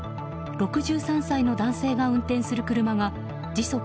６３歳の男性が運転する車が時速